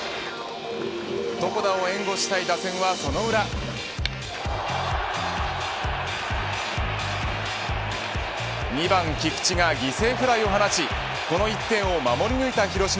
床田を援護したい打線はその裏２番菊池が犠牲フライを放ちこの１点を守り抜いた広島。